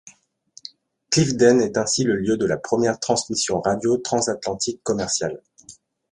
Clifden est ainsi le lieu de la première transmission radio transatlantique commerciale.